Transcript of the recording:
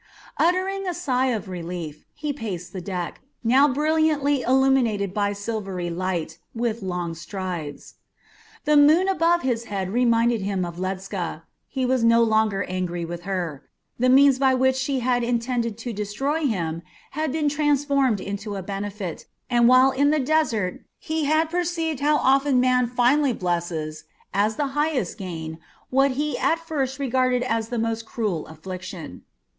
Uttering a sigh of relief, he paced the deck now brilliantly illuminated by silvery light with long strides. The moon above his head reminded him of Ledscha. He was no longer angry with her. The means by which she had intended to destroy him had been transformed into a benefit, and while in the desert he had perceived how often man finally blesses, as the highest gain, what he at first regarded as the most cruel affliction.